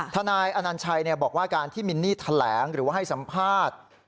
ทนายอนัญชัยบอกว่าการที่มินนี่แถลงหรือว่าให้สัมภาษณ์